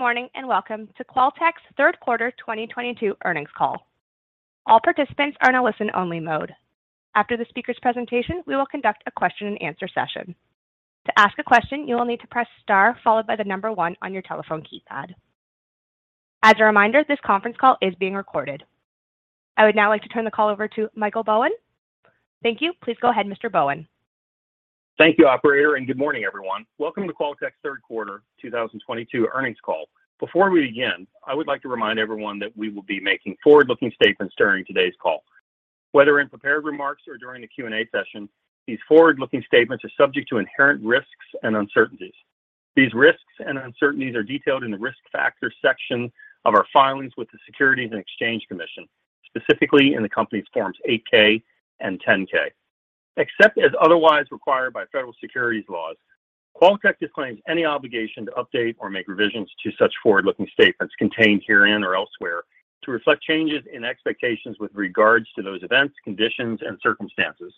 Good morning, and welcome to QualTek's third quarter 2022 earnings call. All participants are in a listen-only mode. After the speaker's presentation, we will conduct a question-and-answer session. To ask a question, you will need to press star followed by the number one on your telephone keypad. As a reminder, this conference call is being recorded. I would now like to turn the call over to Michael Bowen. Thank you. Please go ahead, Mr. Bowen. Thank you, operator, and good morning, everyone. Welcome to QualTek's third quarter 2022 earnings call. Before we begin, I would like to remind everyone that we will be making forward-looking statements during today's call. Whether in prepared remarks or during the Q&A session, these forward-looking statements are subject to inherent risks and uncertainties. These risks and uncertainties are detailed in the Risk Factors section of our filings with the Securities and Exchange Commission, specifically in the company's forms 8-K and 10-K. Except as otherwise required by federal securities laws, QualTek disclaims any obligation to update or make revisions to such forward-looking statements contained herein or elsewhere to reflect changes in expectations with regards to those events, conditions, and circumstances.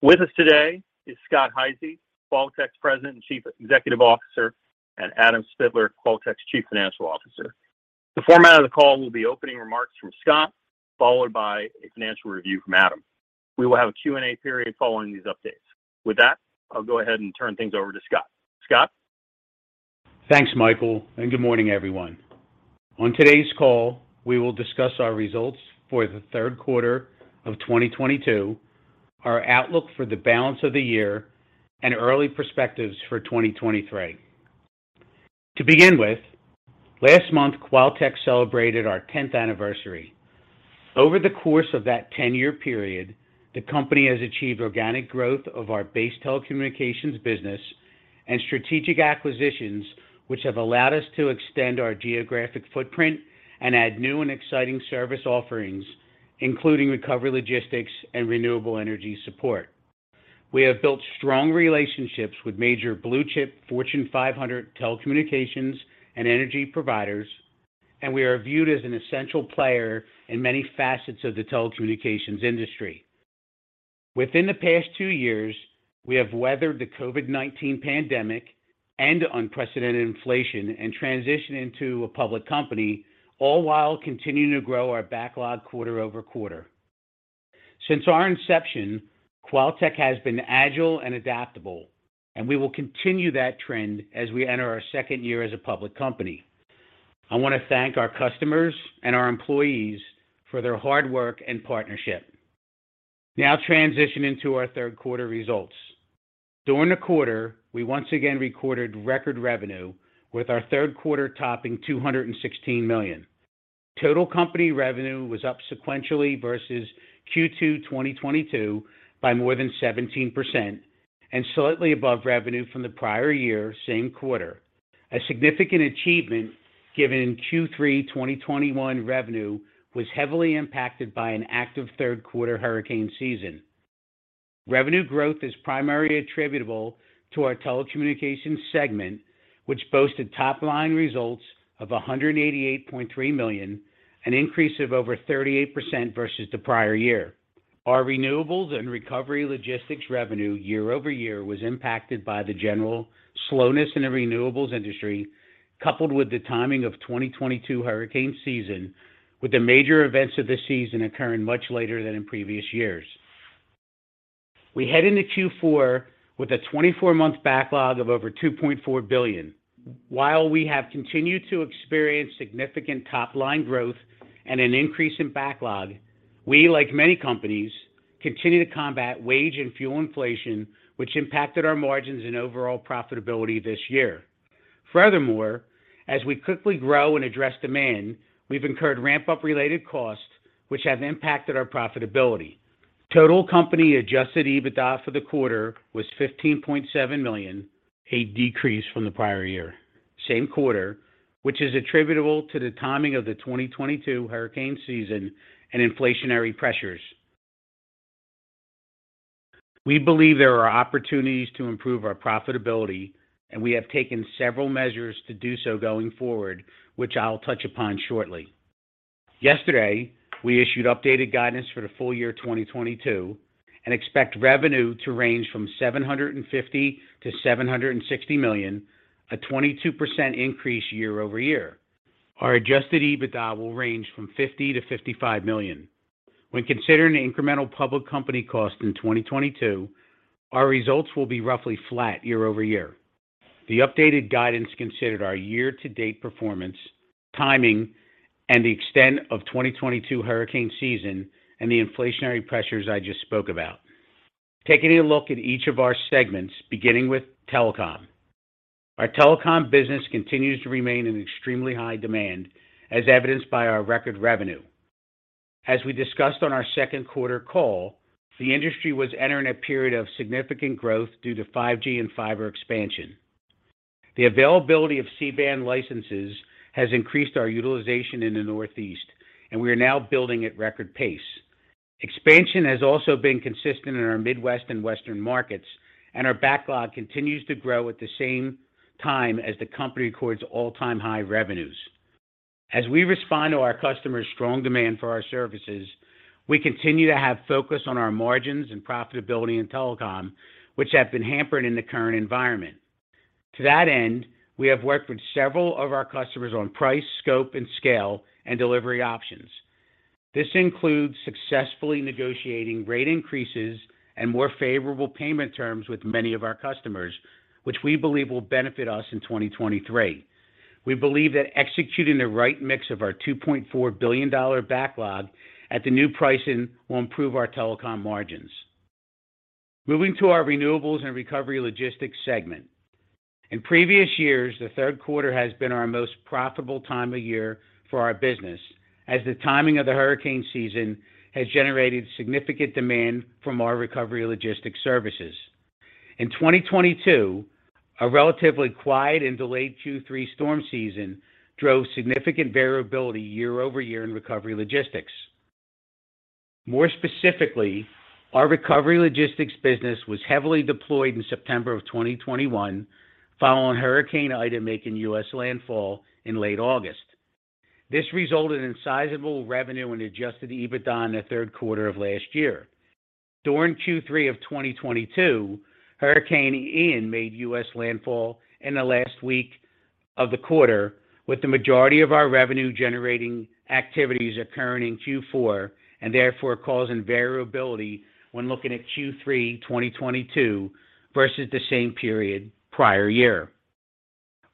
With us today is Scott Hisey, QualTek's President and Chief Executive Officer, and Adam Spittler, QualTek's Chief Financial Officer. The format of the call will be opening remarks from Scott, followed by a financial review from Adam. We will have a Q&A period following these updates. With that, I'll go ahead and turn things over to Scott. Scott? Thanks, Michael, and good morning, everyone. On today's call, we will discuss our results for the third quarter of 2022, our outlook for the balance of the year, and early perspectives for 2023. To begin with, last month, QualTek celebrated our 10th anniversary. Over the course of that 10-year period, the company has achieved organic growth of our base telecommunications business and strategic acquisitions, which have allowed us to extend our geographic footprint and add new and exciting service offerings, including recovery logistics and renewable energy support. We have built strong relationships with major blue-chip Fortune 500 telecommunications and energy providers, and we are viewed as an essential player in many facets of the telecommunications industry. Within the past two years, we have weathered the COVID-19 pandemic and unprecedented inflation and transitioned into a public company, all while continuing to grow our backlog quarter-over-quarter. Since our inception, QualTek has been agile and adaptable, and we will continue that trend as we enter our second year as a public company. I wanna thank our customers and our employees for their hard work and partnership. Now transitioning to our third quarter results. During the quarter, we once again recorded record revenue with our third quarter topping $216 million. Total company revenue was up sequentially versus Q2 2022 by more than 17% and slightly above revenue from the prior year same quarter. A significant achievement given Q3 2021 revenue was heavily impacted by an active third quarter hurricane season. Revenue growth is primarily attributable to our telecommunications segment, which boasted top-line results of $188.3 million, an increase of over 38% versus the prior year. Our renewables and recovery logistics revenue year-over-year was impacted by the general slowness in the renewables industry, coupled with the timing of 2022 hurricane season, with the major events of the season occurring much later than in previous years. We head into Q4 with a 24-month backlog of over $2.4 billion. While we have continued to experience significant top-line growth and an increase in backlog, we, like many companies, continue to combat wage and fuel inflation, which impacted our margins and overall profitability this year. Furthermore, as we quickly grow and address demand, we've incurred ramp-up related costs, which have impacted our profitability. Total company adjusted EBITDA for the quarter was $15.7 million, a decrease from the prior year same quarter, which is attributable to the timing of the 2022 hurricane season and inflationary pressures. We believe there are opportunities to improve our profitability, and we have taken several measures to do so going forward, which I'll touch upon shortly. Yesterday, we issued updated guidance for the full year 2022 and expect revenue to range from $750 million-$760 million, a 22% increase year-over-year. Our adjusted EBITDA will range from $50 million-$55 million. When considering the incremental public company cost in 2022, our results will be roughly flat year-over-year. The updated guidance considered our year-to-date performance, timing, and the extent of 2022 hurricane season and the inflationary pressures I just spoke about. Taking a look at each of our segments, beginning with telecom. Our telecom business continues to remain in extremely high demand, as evidenced by our record revenue. As we discussed on our second quarter call, the industry was entering a period of significant growth due to 5G and fiber expansion. The availability of C-band licenses has increased our utilization in the Northeast, and we are now building at record pace. Expansion has also been consistent in our Midwest and Western markets, and our backlog continues to grow at the same time as the company records all-time high revenues. As we respond to our customers' strong demand for our services, we continue to have focus on our margins and profitability in telecom, which have been hampered in the current environment. To that end, we have worked with several of our customers on price, scope, and scale and delivery options. This includes successfully negotiating rate increases and more favorable payment terms with many of our customers, which we believe will benefit us in 2023. We believe that executing the right mix of our $2.4 billion backlog at the new pricing will improve our telecom margins. Moving to our renewables and recovery logistics segment. In previous years, the third quarter has been our most profitable time of year for our business, as the timing of the hurricane season has generated significant demand from our recovery logistics services. In 2022, a relatively quiet and delayed Q3 storm season drove significant variability year-over-year in recovery logistics. More specifically, our recovery logistics business was heavily deployed in September of 2021 following Hurricane Ida making U.S. landfall in late August. This resulted in sizable revenue and adjusted EBITDA in the third quarter of last year. During Q3 of 2022, Hurricane Ian made U.S. landfall in the last week of the quarter, with the majority of our revenue generating activities occurring in Q4, and therefore causing variability when looking at Q3 2022 versus the same period prior year.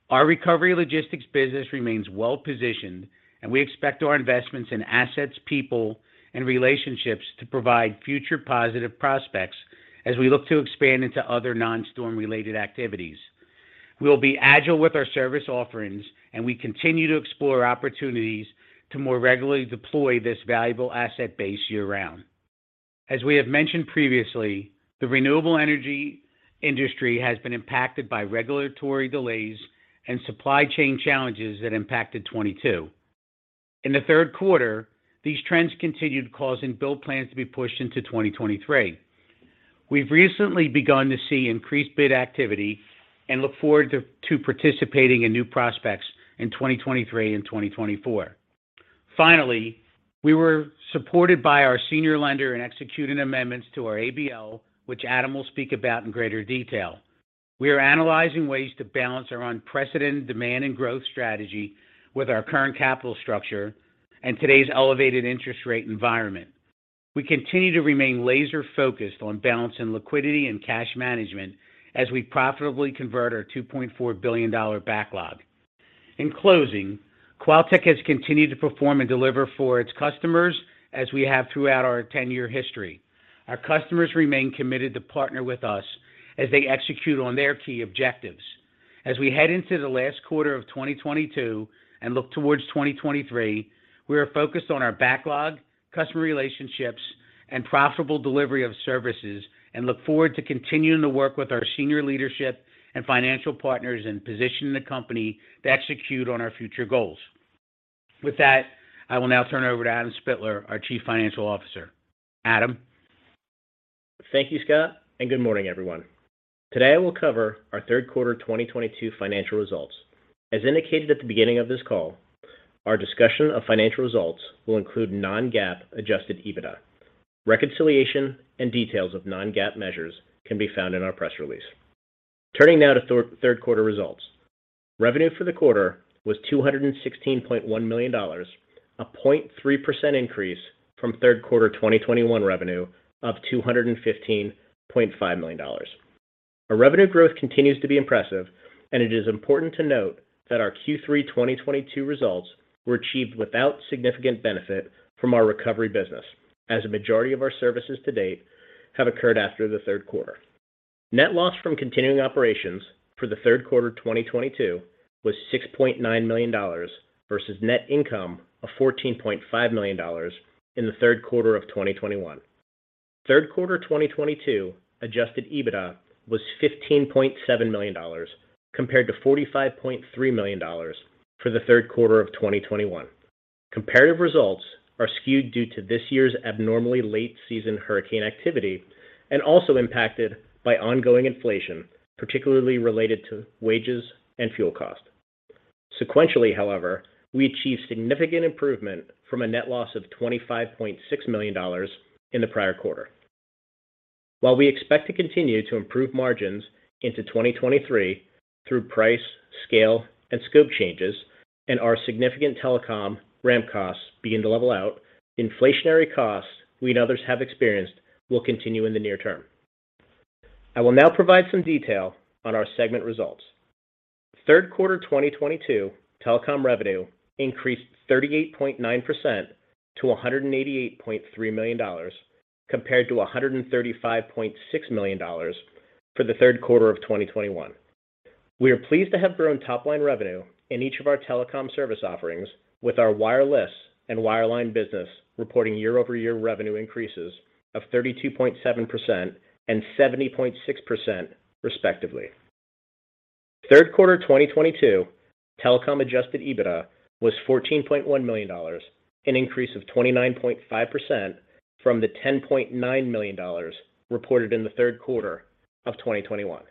Our recovery logistics business remains well-positioned, and we expect our investments in assets, people, and relationships to provide future positive prospects as we look to expand into other non-storm related activities. We will be agile with our service offerings, and we continue to explore opportunities to more regularly deploy this valuable asset base year-round. As we have mentioned previously, the renewable energy industry has been impacted by regulatory delays and supply chain challenges that impacted 2022. In the third quarter, these trends continued, causing build plans to be pushed into 2023. We've recently begun to see increased bid activity and look forward to participating in new prospects in 2023 and 2024. Finally, we were supported by our senior lender in executing amendments to our ABL, which Adam will speak about in greater detail. We are analyzing ways to balance our unprecedented demand and growth strategy with our current capital structure and today's elevated interest rate environment. We continue to remain laser-focused on balancing liquidity and cash management as we profitably convert our $2.4 billion backlog. In closing, QualTek has continued to perform and deliver for its customers as we have throughout our 10-year history. Our customers remain committed to partner with us as they execute on their key objectives. As we head into the last quarter of 2022 and look towards 2023, we are focused on our backlog, customer relationships, and profitable delivery of services, and look forward to continuing to work with our senior leadership and financial partners in positioning the company to execute on our future goals. With that, I will now turn it over to Adam Spittler, our Chief Financial Officer. Adam? Thank you, Scott, and good morning, everyone. Today, we'll cover our third quarter 2022 financial results. As indicated at the beginning of this call, our discussion of financial results will include non-GAAP adjusted EBITDA. Reconciliation and details of non-GAAP measures can be found in our press release. Turning now to third quarter results. Revenue for the quarter was $216.1 million, a 0.3% increase from third quarter 2021 revenue of $215.5 million. Our revenue growth continues to be impressive, and it is important to note that our Q3 2022 results were achieved without significant benefit from our recovery business, as a majority of our services to date have occurred after the third quarter. Net loss from continuing operations for the third quarter 2022 was $6.9 million versus net income of $14.5 million in the third quarter of 2021. Third quarter 2022 adjusted EBITDA was $15.7 million, compared to $45.3 million for the third quarter of 2021. Comparative results are skewed due to this year's abnormally late season hurricane activity and also impacted by ongoing inflation, particularly related to wages and fuel cost. Sequentially, however, we achieved significant improvement from a net loss of $25.6 million in the prior quarter. While we expect to continue to improve margins into 2023 through price, scale, and scope changes and our significant telecom ramp costs begin to level out, inflationary costs we and others have experienced will continue in the near term. I will now provide some detail on our segment results. Third quarter 2022 telecom revenue increased 38.9% to $188.3 million, compared to $135.6 million for the third quarter of 2021. We are pleased to have grown top-line revenue in each of our telecom service offerings with our wireless and wireline business reporting year-over-year revenue increases of 32.7% and 70.6% respectively. Third quarter 2022 telecom adjusted EBITDA was $14.1 million, an increase of 29.5% from the $10.9 million reported in the third quarter of 2021.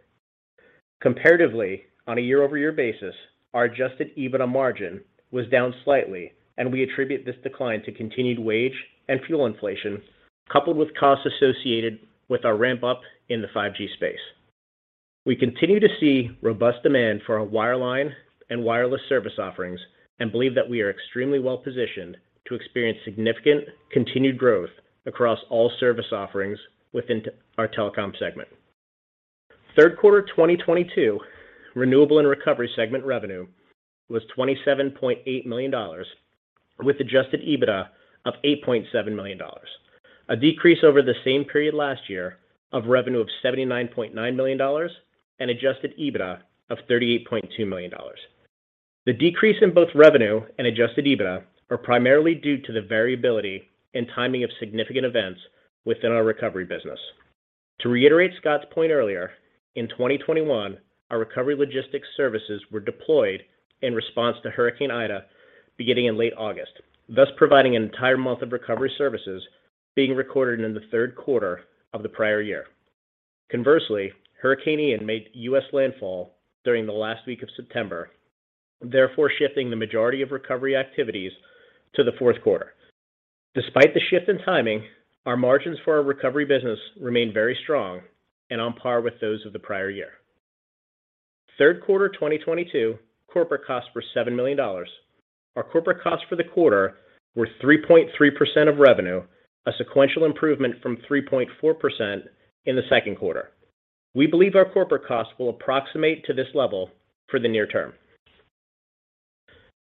Comparatively, on a year-over-year basis, our adjusted EBITDA margin was down slightly, and we attribute this decline to continued wage and fuel inflation, coupled with costs associated with our ramp up in the 5G space. We continue to see robust demand for our wireline and wireless service offerings, and believe that we are extremely well-positioned to experience significant continued growth across all service offerings within our telecom segment. Third quarter 2022 renewable and recovery segment revenue was $27.8 million, with adjusted EBITDA of $8.7 million. A decrease over the same period last year of revenue of $79.9 million and adjusted EBITDA of $38.2 million. The decrease in both revenue and adjusted EBITDA are primarily due to the variability and timing of significant events within our recovery business. To reiterate Scott's point earlier, in 2021, our recovery logistics services were deployed in response to Hurricane Ida beginning in late August, thus providing an entire month of recovery services being recorded in the third quarter of the prior year. Conversely, Hurricane Ian made U.S. landfall during the last week of September, therefore shifting the majority of recovery activities to the fourth quarter. Despite the shift in timing, our margins for our recovery business remain very strong and on par with those of the prior year. Third quarter 2022 corporate costs were $7 million. Our corporate costs for the quarter were 3.3% of revenue, a sequential improvement from 3.4% in the second quarter. We believe our corporate costs will approximate to this level for the near term.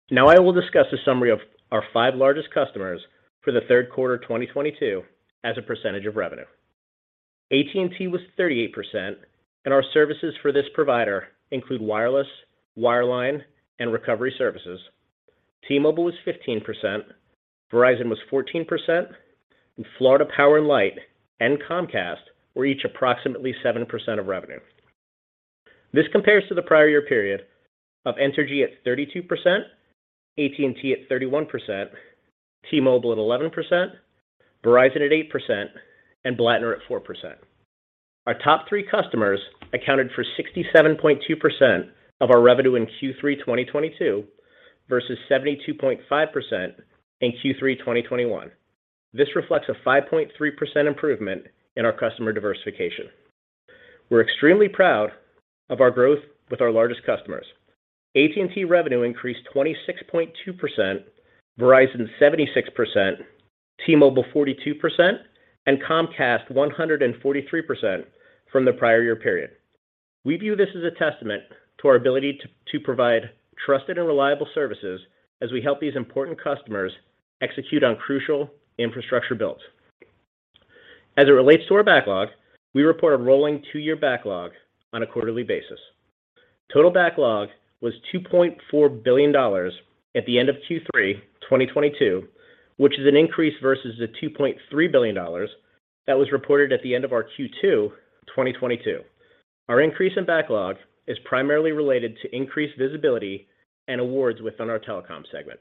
Now I will discuss a summary of our five largest customers for the third quarter 2022 as a percentage of revenue. AT&T was 38%, and our services for this provider include wireless, wireline, and recovery services. T-Mobile was 15%, Verizon was 14%, and Florida Power & Light and Comcast were each approximately 7% of revenue. This compares to the prior year period of Entergy at 32%, AT&T at 31%, T-Mobile at 11%, Verizon at 8%, and Blattner at 4%. Our top three customers accounted for 67.2% of our revenue in Q3 2022 versus 72.5% in Q3 2021. This reflects a 5.3% improvement in our customer diversification. We're extremely proud of our growth with our largest customers. AT&T revenue increased 26.2%, Verizon 76%, T-Mobile 42%, and Comcast 143% from the prior year period. We view this as a testament to our ability to provide trusted and reliable services as we help these important customers execute on crucial infrastructure builds. As it relates to our backlog, we report a rolling two-year backlog on a quarterly basis. Total backlog was $2.4 billion at the end of Q3 2022, which is an increase versus the $2.3 billion that was reported at the end of our Q2 2022. Our increase in backlog is primarily related to increased visibility and awards within our telecom segment.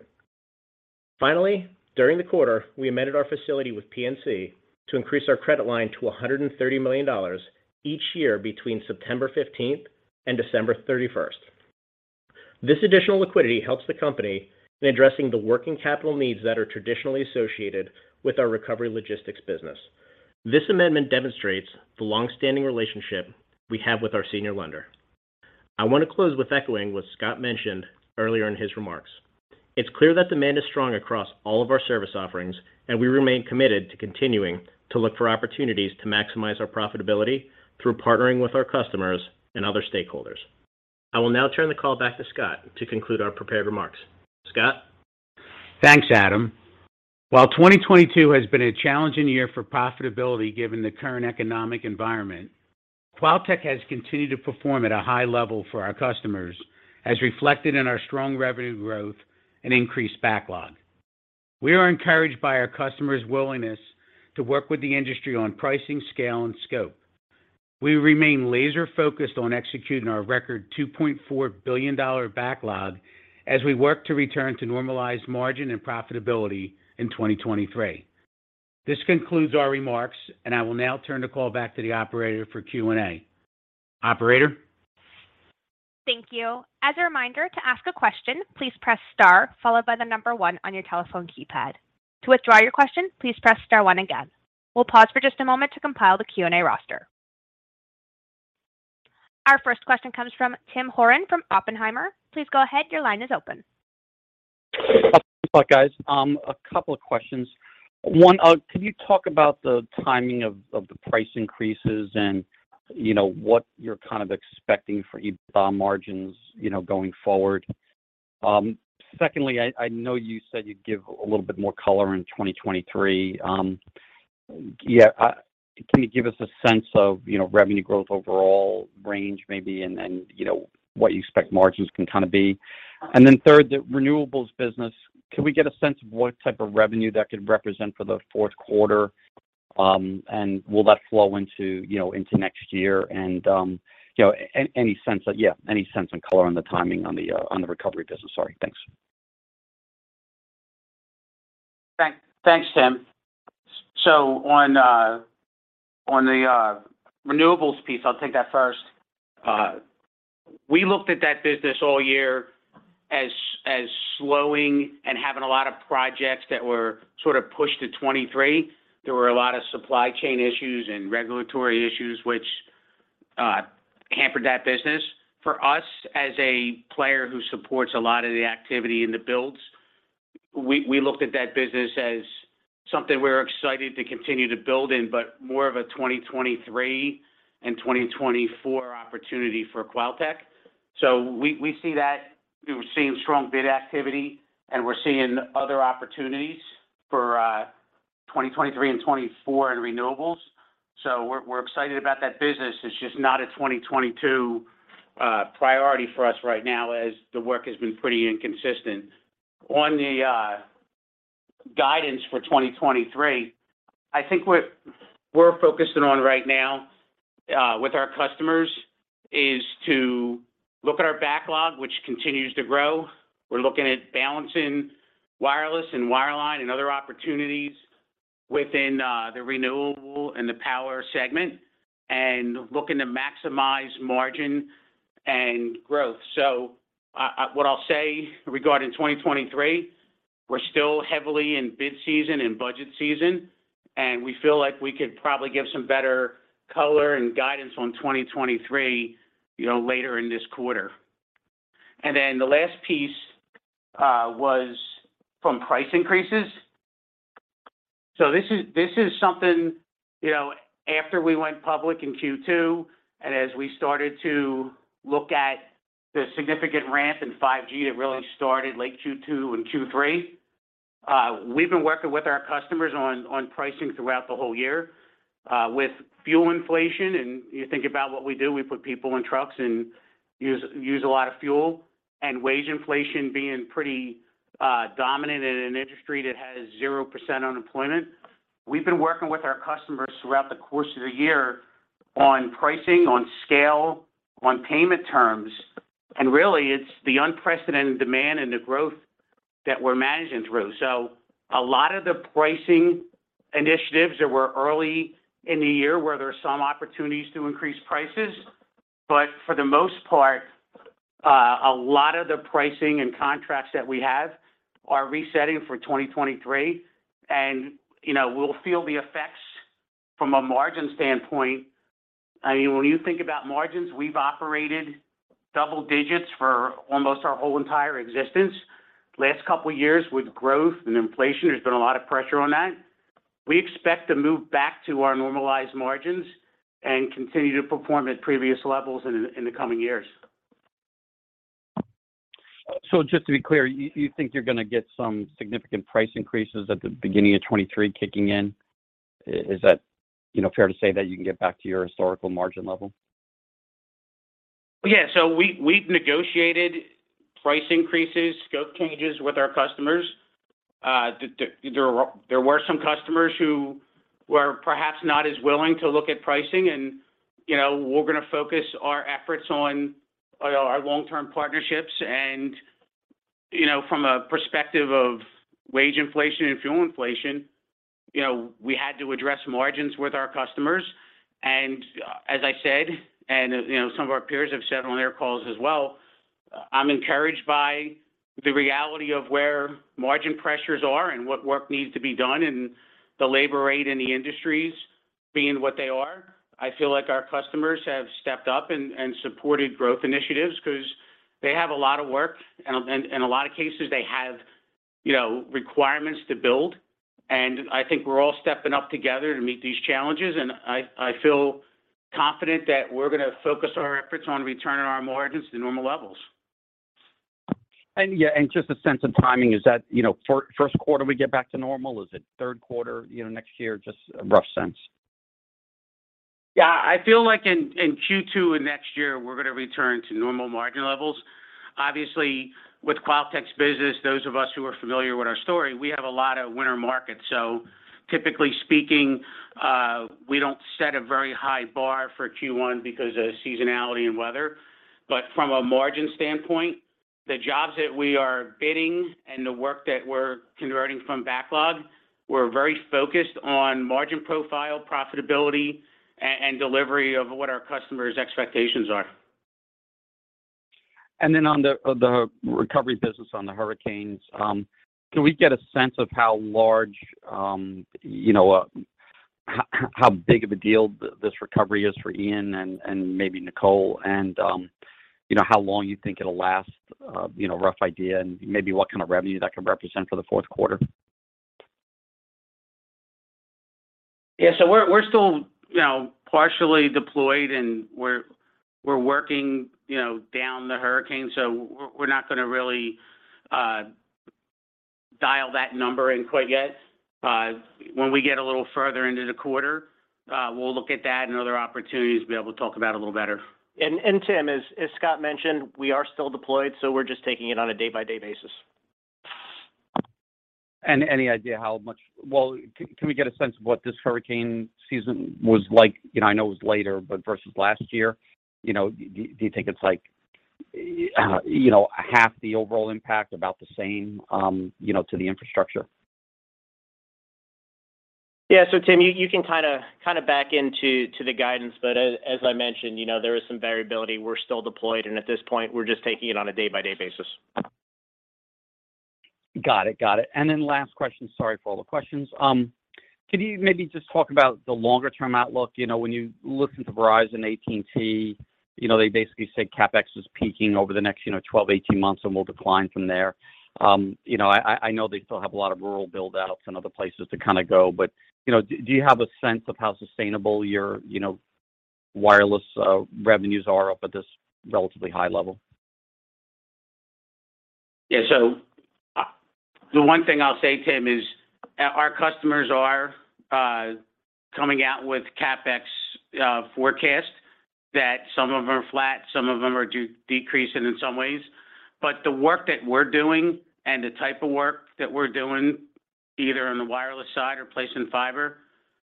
Finally, during the quarter, we amended our facility with PNC to increase our credit line to $130 million each year between September 15th and December 31st. This additional liquidity helps the company in addressing the working capital needs that are traditionally associated with our recovery logistics business. This amendment demonstrates the long-standing relationship we have with our senior lender. I want to close with echoing what Scott mentioned earlier in his remarks. It's clear that demand is strong across all of our service offerings, and we remain committed to continuing to look for opportunities to maximize our profitability through partnering with our customers and other stakeholders. I will now turn the call back to Scott to conclude our prepared remarks. Scott? Thanks, Adam. While 2022 has been a challenging year for profitability given the current economic environment, QualTek has continued to perform at a high level for our customers, as reflected in our strong revenue growth and increased backlog. We are encouraged by our customers' willingness to work with the industry on pricing, scale, and scope. We remain laser-focused on executing our record $2.4 billion backlog as we work to return to normalized margin and profitability in 2023. This concludes our remarks, and I will now turn the call back to the operator for Q&A. Operator? Thank you. As a reminder, to ask a question, please press star followed by the number one on your telephone keypad. To withdraw your question, please press star one again. We'll pause for just a moment to compile the Q&A roster. Our first question comes from Tim Horan from Oppenheimer. Please go ahead. Your line is open. Thanks a lot, guys. A couple of questions. One, can you talk about the timing of the price increases and, you know, what you're kind of expecting for EBITDA margins, you know, going forward? Secondly, I know you said you'd give a little bit more color on 2023. Yeah, can you give us a sense of, you know, revenue growth overall range maybe, and you know what you expect margins can kind of be? And then third, the renewables business, can we get a sense of what type of revenue that could represent for the fourth quarter? And will that flow into, you know, into next year? And you know, any sense and color on the timing on the recovery business? Sorry. Thanks. Thanks. Thanks, Tim. So on the renewables piece, I'll take that first. We looked at that business all year as slowing and having a lot of projects that were sort of pushed to 2023. There were a lot of supply chain issues and regulatory issues which hampered that business. For us, as a player who supports a lot of the activity in the builds, we looked at that business as something we're excited to continue to build in, but more of a 2023 and 2024 opportunity for QualTek. We see that. We're seeing strong bid activity, and we're seeing other opportunities for 2023 and 2024 in renewables. We're excited about that business. It's just not a 2022 priority for us right now as the work has been pretty inconsistent. On the guidance for 2023, I think what we're focusing on right now with our customers is to look at our backlog, which continues to grow. We're looking at balancing wireless and wireline and other opportunities within the renewable and the power segment and looking to maximize margin and growth. What I'll say regarding 2023, we're still heavily in bid season, in budget season, and we feel like we could probably give some better color and guidance on 2023, you know, later in this quarter. Then the last piece was from price increases. This is something, you know, after we went public in Q2, and as we started to look at the significant ramp in 5G that really started late Q2 and Q3, we've been working with our customers on pricing throughout the whole year. With fuel inflation, and you think about what we do, we put people in trucks and use a lot of fuel. Wage inflation being pretty dominant in an industry that has 0% unemployment. We've been working with our customers throughout the course of the year on pricing, on scale, on payment terms, and really it's the unprecedented demand and the growth that we're managing through. A lot of the pricing initiatives that were early in the year, where there are some opportunities to increase prices. For the most part, a lot of the pricing and contracts that we have are resetting for 2023. You know, we'll feel the effects from a margin standpoint. I mean, when you think about margins, we've operated double digits for almost our whole entire existence. Last couple years with growth and inflation, there's been a lot of pressure on that. We expect to move back to our normalized margins and continue to perform at previous levels in the coming years. Just to be clear, you think you're gonna get some significant price increases at the beginning of 2023 kicking in? Is that, you know, fair to say that you can get back to your historical margin level? Yeah. We've negotiated price increases, scope changes with our customers. There were some customers who were perhaps not as willing to look at pricing and, you know, we're gonna focus our efforts on our long-term partnerships. You know, from a perspective of wage inflation and fuel inflation, you know, we had to address margins with our customers. As I said, you know, some of our peers have said on their calls as well, I'm encouraged by the reality of where margin pressures are and what work needs to be done, and the labor rate in the industries being what they are. I feel like our customers have stepped up and supported growth initiatives 'cause they have a lot of work, and a lot of cases they have, you know, requirements to build. I think we're all stepping up together to meet these challenges, and I feel confident that we're gonna focus our efforts on returning our margins to normal levels. Yeah, and just a sense of timing, is that, you know, first quarter we get back to normal? Is it third quarter, you know, next year? Just a rough sense. Yeah. I feel like in Q2 of next year, we're gonna return to normal margin levels. Obviously, with QualTek's business, those of us who are familiar with our story, we have a lot of winter markets. Typically speaking, we don't set a very high bar for Q1 because of seasonality and weather. From a margin standpoint, the jobs that we are bidding and the work that we're converting from backlog, we're very focused on margin profile, profitability, and delivery of what our customers' expectations are. Then on the recovery business on the hurricanes, can we get a sense of how large, you know, how big of a deal this recovery is for Hurricane Ian and maybe Hurricane Nicole, and you know, how long you think it'll last? You know, rough idea and maybe what kind of revenue that could represent for the fourth quarter. Yeah. We're still, you know, partially deployed, and we're working, you know, down the hurricane, so we're not gonna really dial that number in quite yet. When we get a little further into the quarter, we'll look at that and other opportunities, be able to talk about it a little better. Tim, as Scott mentioned, we are still deployed, so we're just taking it on a day-by-day basis. Any idea how much? Well, can we get a sense of what this hurricane season was like? You know, I know it was later, but versus last year. You know, do you think it's like, you know, half the overall impact, about the same, you know, to the infrastructure. Yeah. Tim, you can kinda back into the guidance, but as I mentioned, you know, there is some variability. We're still deployed, and at this point, we're just taking it on a day-by-day basis. Got it. Last question. Sorry for all the questions. Could you maybe just talk about the longer term outlook? You know, when you listen to Verizon, AT&T, you know, they basically say CapEx is peaking over the next, you know, 12-18 months, and will decline from there. You know, I know they still have a lot of rural build-outs and other places to kinda go, but, you know, do you have a sense of how sustainable your, you know, wireless revenues are up at this relatively high level? Yeah. The one thing I'll say, Tim, is our customers are coming out with CapEx forecast that some of them are flat, some of them are decreasing in some ways. The work that we're doing and the type of work that we're doing, either on the wireless side or placing fiber,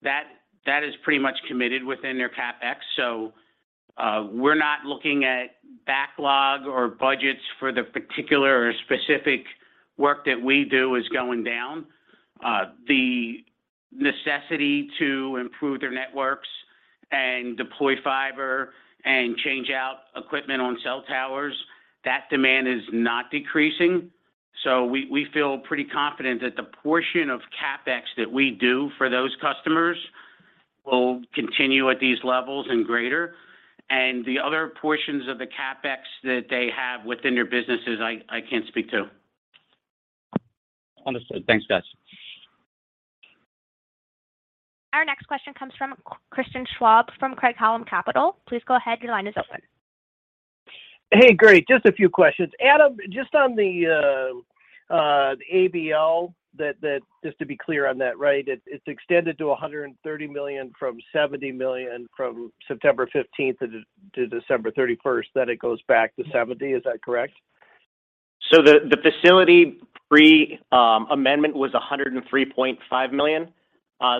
that is pretty much committed within their CapEx. We're not looking at backlog or budgets for the particular or specific work that we do is going down. The necessity to improve their networks and deploy fiber and change out equipment on cell towers, that demand is not decreasing. We feel pretty confident that the portion of CapEx that we do for those customers will continue at these levels and greater. The other portions of the CapEx that they have within their businesses, I can't speak to. Understood. Thanks, guys. Our next question comes from Christian Schwab from Craig-Hallum Capital. Please go ahead. Your line is open. Hey. Great. Just a few questions. Adam, just on the ABL, just to be clear on that, right? It's extended to $130 million from $70 million from September 15th to December 31st, then it goes back to $70 million. Is that correct? The facility pre-amendment was $103.5 million.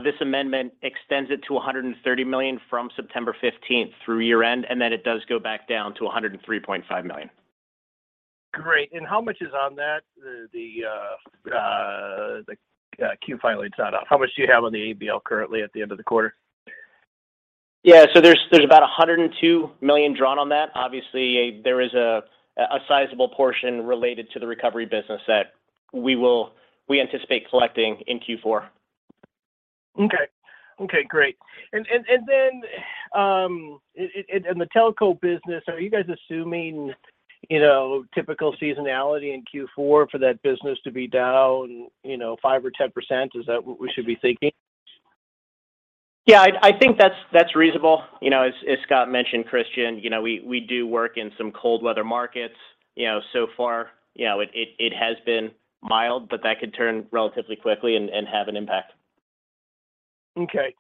This amendment extends it to $130 million from September 15th through year-end, and then it does go back down to $103.5 million. Great. How much is on that? The 10-Q filing's not up. How much do you have on the ABL currently at the end of the quarter? Yeah. There's about $102 million drawn on that. Obviously, there is a sizable portion related to the recovery business that we anticipate collecting in Q4. Okay. Okay, great. In the telco business, are you guys assuming, you know, typical seasonality in Q4 for that business to be down, you know, 5% or 10%? Is that what we should be thinking? Yeah. I think that's reasonable. You know, as Scott mentioned, Christian, you know, we do work in some cold weather markets. You know, so far, you know, it has been mild, but that could turn relatively quickly and have an impact. Okay.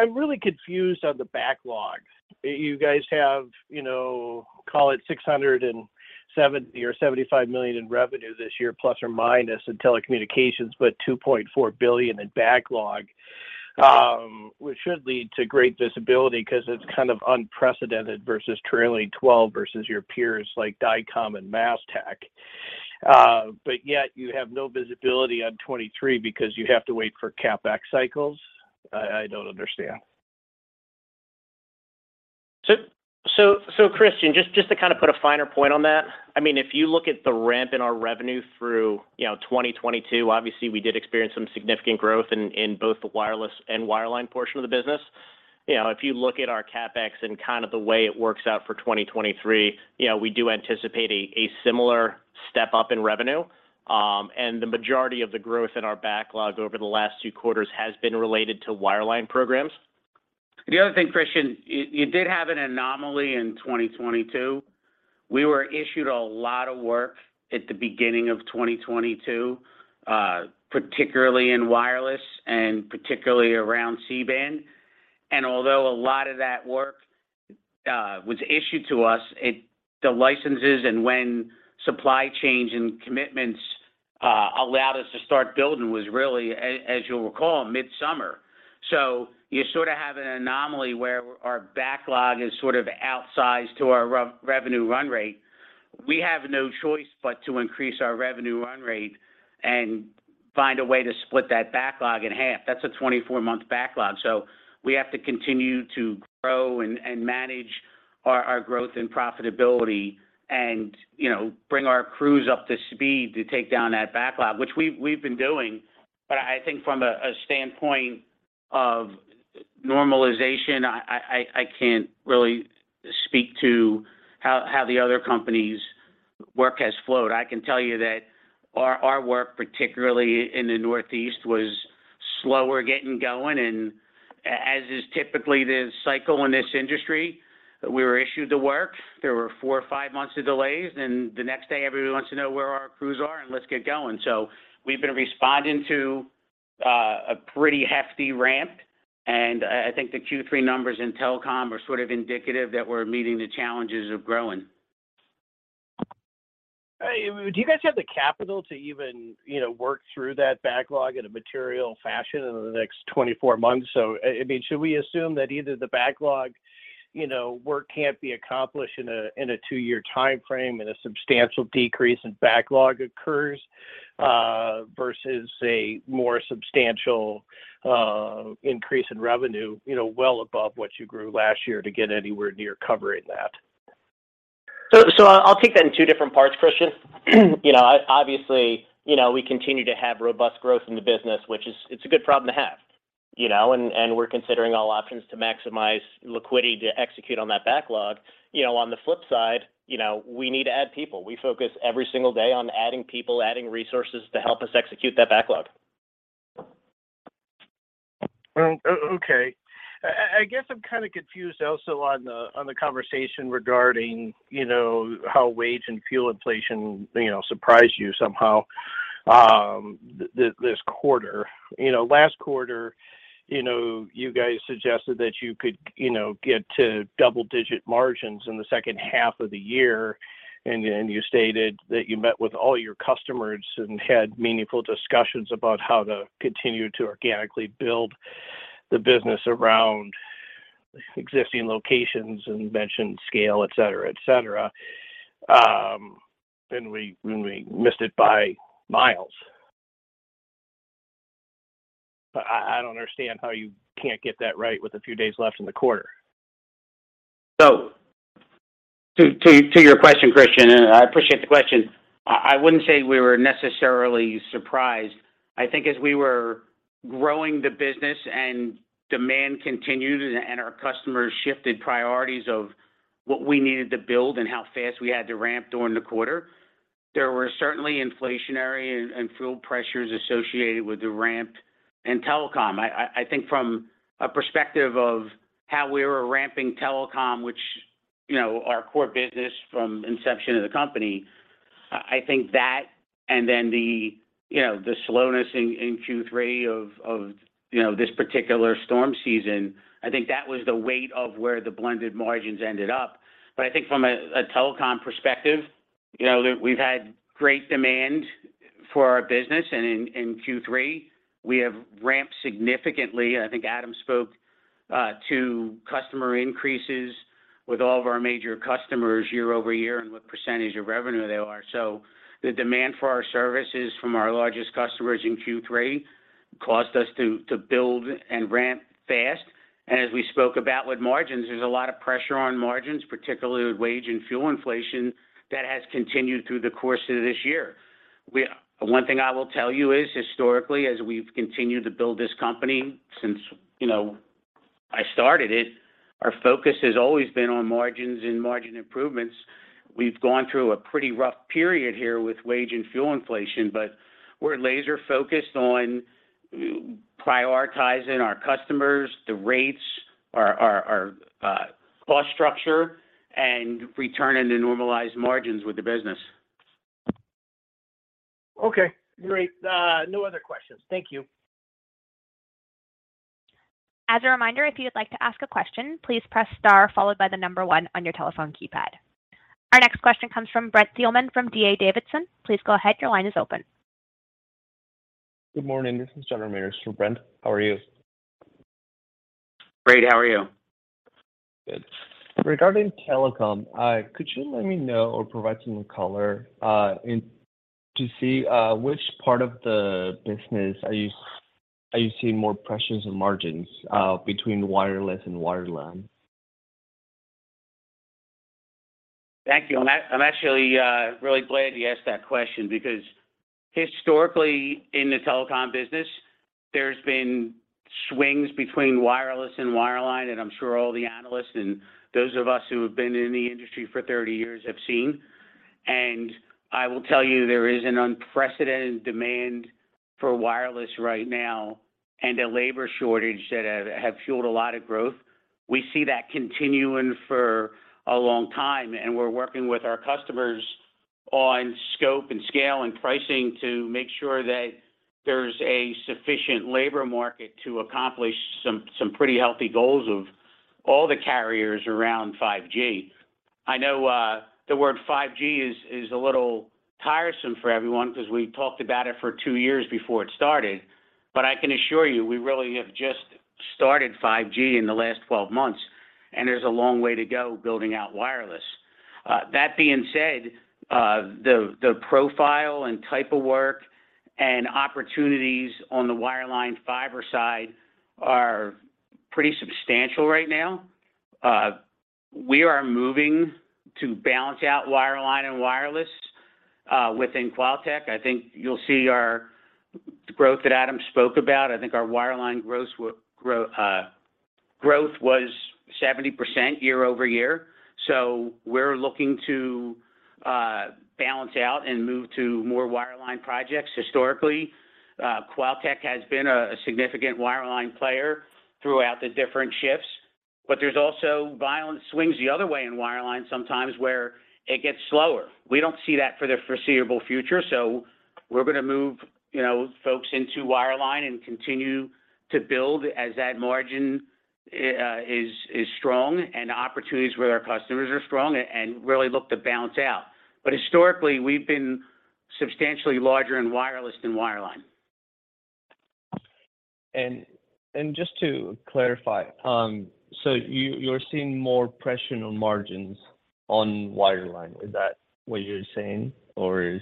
I'm really confused on the backlog. You guys have, you know, call it $670 million or $675 million in revenue this year plus or minus in telecommunications, but $2.4 billion in backlog, which should lead to great visibility 'cause it's kind of unprecedented versus trailing twelve versus your peers like Dycom and MasTec. But yet you have no visibility on 2023 because you have to wait for CapEx cycles. I don't understand. Christian, just to kinda put a finer point on that, I mean, if you look at the ramp in our revenue through, you know, 2022, obviously, we did experience some significant growth in both the wireless and wireline portion of the business. You know, if you look at our CapEx and kind of the way it works out for 2023, you know, we do anticipate a similar step-up in revenue. The majority of the growth in our backlog over the last two quarters has been related to wireline programs. The other thing, Christian, you did have an anomaly in 2022. We were issued a lot of work at the beginning of 2022, particularly in wireless and particularly around C-band. Although a lot of that work was issued to us, it, the licenses and when supply chain and commitments allowed us to start building was really, as you'll recall, mid-summer. You sort of have an anomaly where our backlog is sort of outsized to our revenue run rate. We have no choice but to increase our revenue run rate and find a way to split that backlog in half. That's a 24-month backlog. We have to continue to grow and manage our growth and profitability and, you know, bring our crews up to speed to take down that backlog, which we've been doing. I think from a standpoint of normalization, I can't really speak to how the other companies' work has flowed. I can tell you that our work, particularly in the Northeast, was slower getting going. As is typically the cycle in this industry, we were issued the work, there were four or five months of delays, and the next day everybody wants to know where our crews are and let's get going. We've been responding to a pretty hefty ramp, and I think the Q3 numbers in telecom are sort of indicative that we're meeting the challenges of growing. Hey, do you guys have the capital to even, you know, work through that backlog in a material fashion in the next 24 months? I mean, should we assume that either the backlog, you know, work can't be accomplished in a 2-year timeframe and a substantial decrease in backlog occurs versus a more substantial increase in revenue, you know, well above what you grew last year to get anywhere near covering that? I'll take that in two different parts, Christian. You know, obviously, you know, we continue to have robust growth in the business, which is, it's a good problem to have, you know, and we're considering all options to maximize liquidity to execute on that backlog. You know, on the flip side, you know, we need to add people. We focus every single day on adding people, adding resources to help us execute that backlog. Okay. I guess I'm kind of confused also on the conversation regarding, you know, how wage and fuel inflation, you know, surprised you somehow, this quarter. You know, last quarter, you know, you guys suggested that you could, you know, get to double digit margins in the second half of the year, and you stated that you met with all your customers and had meaningful discussions about how to continue to organically build the business around existing locations and mentioned scale, et cetera, et cetera. Then we missed it by miles. I don't understand how you can't get that right with a few days left in the quarter. To your question, Christian, and I appreciate the question. I wouldn't say we were necessarily surprised. I think as we were growing the business and demand continued and our customers shifted priorities of what we needed to build and how fast we had to ramp during the quarter, there were certainly inflationary and fuel pressures associated with the ramp in telecom. I think from a perspective of how we were ramping telecom, which, you know, our core business from inception of the company, I think that and then the, you know, the slowness in Q3 of, you know, this particular storm season, I think that was the weight of where the blended margins ended up. I think from a telecom perspective, you know, we've had great demand for our business and in Q3 we have ramped significantly. I think Adam spoke to customer increases with all of our major customers year-over-year and what percentage of revenue they are. The demand for our services from our largest customers in Q3 caused us to build and ramp fast. As we spoke about with margins, there's a lot of pressure on margins, particularly with wage and fuel inflation, that has continued through the course of this year. One thing I will tell you is historically, as we've continued to build this company since, you know, I started it, our focus has always been on margins and margin improvements. We've gone through a pretty rough period here with wage and fuel inflation, but we're laser focused on prioritizing our customers, the rates, our cost structure and returning to normalized margins with the business. Okay, great. No other questions. Thank you. As a reminder, if you would like to ask a question, please press star followed by the number one on your telephone keypad. Our next question comes from Brent Thielman from D.A. Davidson. Please go ahead. Your line is open. Good morning. This is Jean Ramirez for Brent. How are you? Great. How are you? Good. Regarding telecom, could you let me know or provide some color to see which part of the business are you seeing more pressures and margins between wireless and wireline? Thank you. I'm actually really glad you asked that question because historically in the telecom business, there's been swings between wireless and wireline, and I'm sure all the analysts and those of us who have been in the industry for 30 years have seen. I will tell you, there is an unprecedented demand for wireless right now and a labor shortage that have fueled a lot of growth. We see that continuing for a long time, and we're working with our customers on scope and scale and pricing to make sure that there's a sufficient labor market to accomplish some pretty healthy goals of all the carriers around 5G. I know the word 5G is a little tiresome for everyone because we talked about it for two years before it started. I can assure you, we really have just started 5G in the last 12 months, and there's a long way to go building out wireless. That being said, the profile and type of work and opportunities on the wireline fiber side are pretty substantial right now. We are moving to balance out wireline and wireless within QualTek. I think you'll see our growth that Adam spoke about. I think our wireline growth was 70% year-over-year. We're looking to balance out and move to more wireline projects. Historically, QualTek has been a significant wireline player throughout the different shifts. There's also violent swings the other way in wireline sometimes where it gets slower. We don't see that for the foreseeable future. We're gonna move, you know, folks into wireline and continue to build as that margins is strong and opportunities with our customers are strong and really look to balance out. Historically, we've been substantially larger in wireless than wireline. Just to clarify, you're seeing more pressure on margins on wireline. Is that what you're saying? Or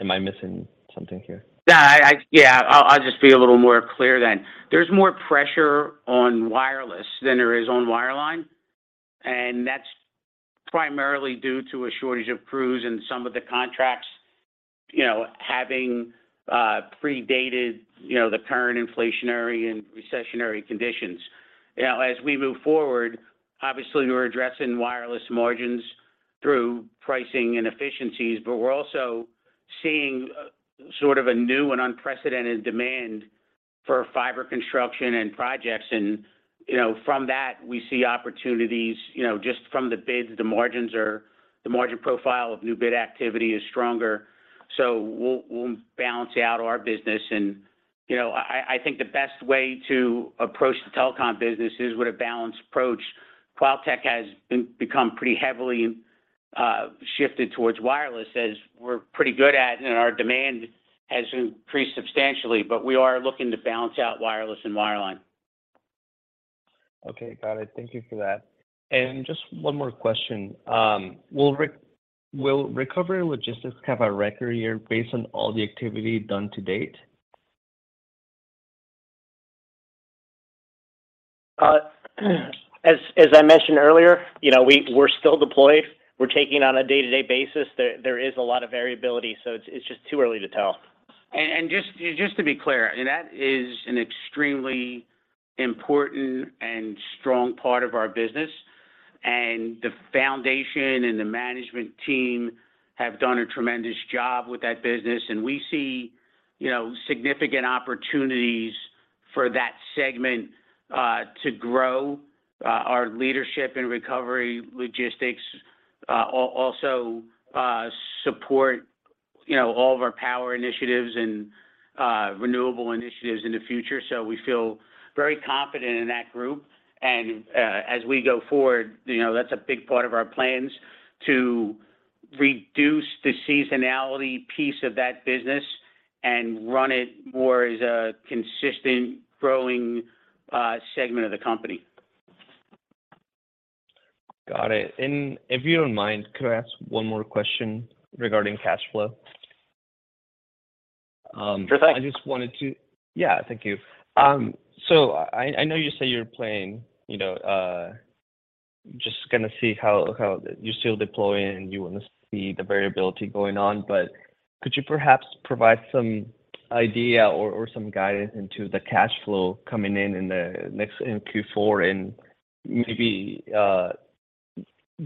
am I missing something here? Yeah, I'll just be a little more clear then. There's more pressure on wireless than there is on wireline, and that's primarily due to a shortage of crews and some of the contracts, you know, having predated, you know, the current inflationary and recessionary conditions. You know, as we move forward, obviously, we're addressing wireless margins through pricing and efficiencies, but we're also seeing sort of a new and unprecedented demand for fiber construction and projects and, you know, from that we see opportunities, you know, just from the bids, the margins are, the margin profile of new bid activity is stronger. We'll balance out our business and, you know, I think the best way to approach the telecom business is with a balanced approach. QualTek has become pretty heavily shifted towards wireless as we're pretty good at, and our demand has increased substantially. We are looking to balance out wireless and wireline. Okay. Got it. Thank you for that. Just one more question. Will Recovery Logistics have a record year based on all the activity done to date? As I mentioned earlier, you know, we're still deployed. We're taking it on a day-to-day basis. There is a lot of variability, so it's just too early to tell. Just to be clear, I mean, that is an extremely important and strong part of our business, and the foundation and the management team have done a tremendous job with that business, and we see, you know, significant opportunities for that segment to grow our leadership in Recovery Logistics, also support, you know, all of our power initiatives and renewable initiatives in the future. So we feel very confident in that group. As we go forward, you know, that's a big part of our plans to reduce the seasonality piece of that business and run it more as a consistent growing segment of the company. Got it. If you don't mind, could I ask one more question regarding cash flow? Sure thing. I just wanted to. Yeah. Thank you. So, I know you say you're planning, you know, just gonna see how you're still deploying and you wanna see the variability going on. Could you perhaps provide some idea or some guidance into the cash flow coming in in Q4 and maybe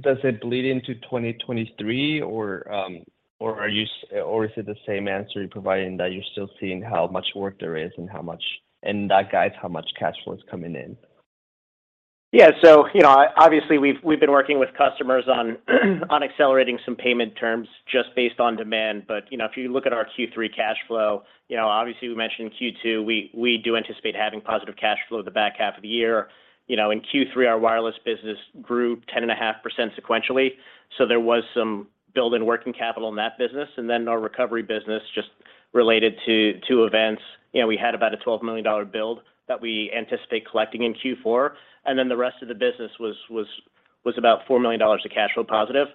does it bleed into 2023 or is it the same answer you provided, that you're still seeing how much work there is and that guides how much cash flow is coming in? Yeah. You know, obviously, we've been working with customers on accelerating some payment terms just based on demand. You know, if you look at our Q3 cash flow, you know, obviously, we mentioned Q2, we do anticipate having positive cash flow the back half of the year. You know, in Q3, our wireless business grew 10.5% sequentially, so there was some build in working capital in that business. Then our recovery business just related to two events. You know, we had about a $12 million build that we anticipate collecting in Q4, and then the rest of the business was about $4 million of cash flow positive.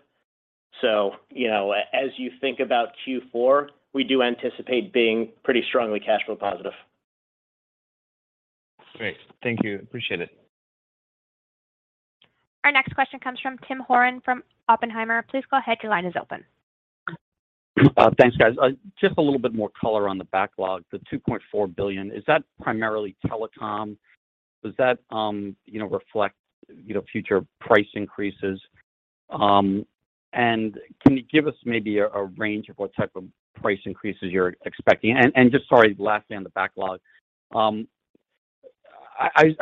You know, as you think about Q4, we do anticipate being pretty strongly cash flow positive. Great. Thank you. Appreciate it. Our next question comes from Tim Horan from Oppenheimer. Please go ahead. Your line is open. Thanks, guys. Just a little bit more color on the backlog. The $2.4 billion, is that primarily telecom? Does that, you know, reflect, you know, future price increases? And can you give us maybe a range of what type of price increases you're expecting? Just sorry, lastly on the backlog, I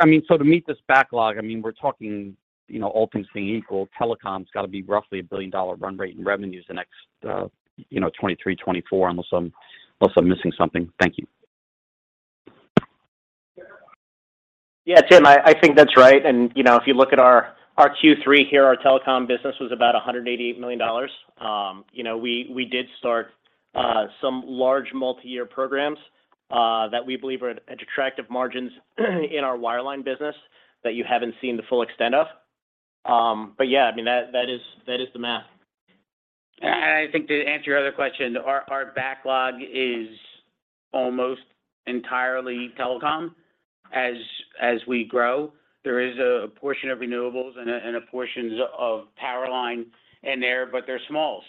mean, so to meet this backlog, I mean, we're talking, you know, all things being equal, telecom's gotta be roughly a billion-dollar run rate in revenues the next, you know, 2023, 2024, unless I'm missing something. Thank you. Yeah, Tim, I think that's right. You know, if you look at our Q3 here, our telecom business was about $188 million. You know, we did start some large multi-year programs that we believe are at attractive margins in our wireline business that you haven't seen the full extent of. Yeah, I mean, that is the math. I think to answer your other question, our backlog is almost entirely telecom. As we grow, there is a portion of renewables and a portion of powerline in there, but they're small.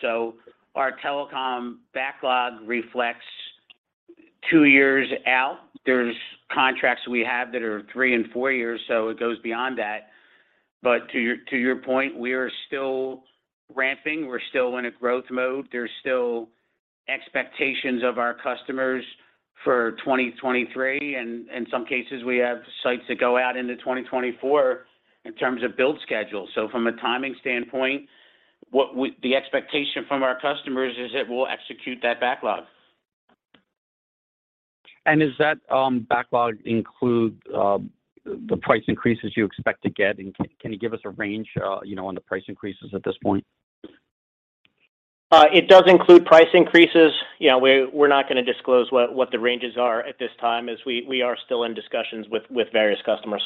Our telecom backlog reflects two years out. There's contracts we have that are three and four years, so it goes beyond that. To your point, we are still ramping. We're still in a growth mode. There's still expectations of our customers for 2023, and in some cases, we have sites that go out into 2024 in terms of build schedule. From a timing standpoint, the expectation from our customers is that we'll execute that backlog. Does that backlog include the price increases you expect to get? Can you give us a range, you know, on the price increases at this point? It does include price increases. You know, we're not gonna disclose what the ranges are at this time, as we are still in discussions with various customers.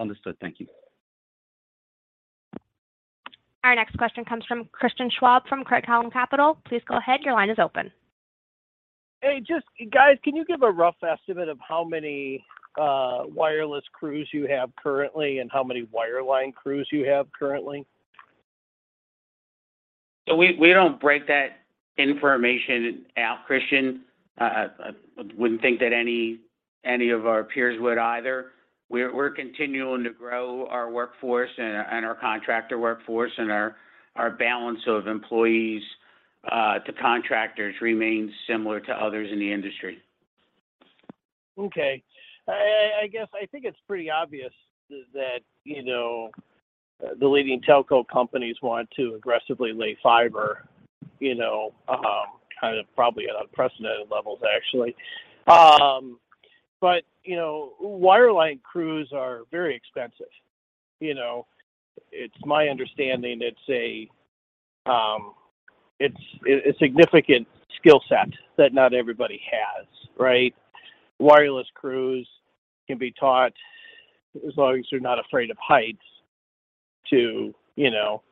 Understood. Thank you. Our next question comes from Christian Schwab from Craig-Hallum Capital. Please go ahead. Your line is open. Hey, guys, can you give a rough estimate of how many wireless crews you have currently and how many wireline crews you have currently? We don't break that information out, Christian. I wouldn't think that any of our peers would either. We're continuing to grow our workforce and our contractor workforce, and our balance of employees to contractors remains similar to others in the industry. Okay. I guess I think it's pretty obvious that, you know, the leading telco companies want to aggressively lay fiber, you know, kind of probably at unprecedented levels, actually. You know, wireline crews are very expensive. You know, it's my understanding it's a significant skill set that not everybody has, right? Wireless crews can be taught, as long as they're not afraid of heights, to, you know,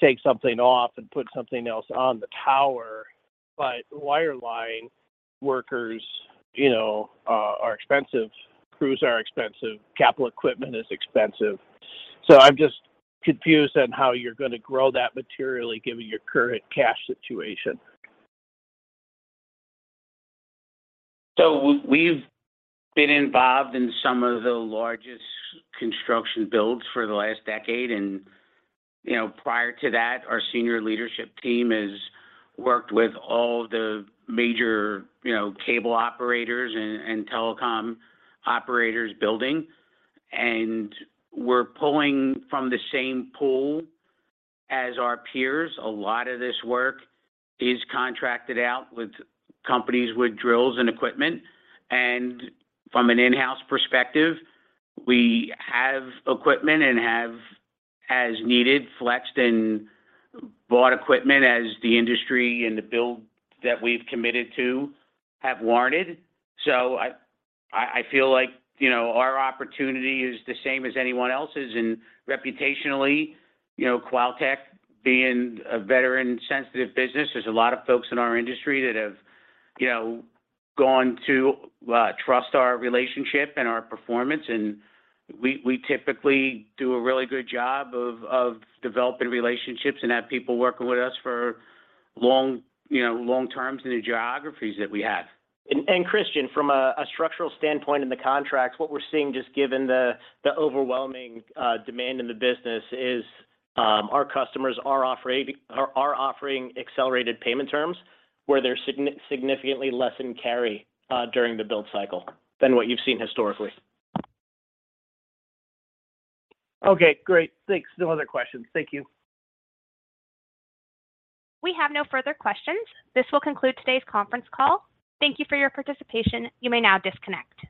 take something off and put something else on the tower. Wireline workers, you know, are expensive, crews are expensive, capital equipment is expensive. I'm just confused on how you're gonna grow that materially given your current cash situation. We've been involved in some of the largest construction builds for the last decade. You know, prior to that, our senior leadership team has worked with all the major, you know, cable operators and telecom operators building. We're pulling from the same pool as our peers. A lot of this work is contracted out with companies with drills and equipment. From an in-house perspective, we have equipment and have, as needed, flexed and bought equipment as the industry and the build that we've committed to have warranted. I feel like, you know, our opportunity is the same as anyone else's. Reputationally, you know, QualTek being a veteran-sensitive business, there's a lot of folks in our industry that have, you know, gone to trust our relationship and our performance. We typically do a really good job of developing relationships and have people working with us for long, you know, long terms in the geographies that we have. Christian, from a structural standpoint in the contracts, what we're seeing just given the overwhelming demand in the business is, our customers are offering accelerated payment terms where they're significantly less in carry during the build cycle than what you've seen historically. Okay, great. Thanks. No other questions. Thank you. We have no further questions. This will conclude today's conference call. Thank you for your participation. You may now disconnect.